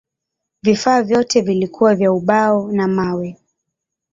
Vifaa vyote vilikuwa vya ubao na mawe.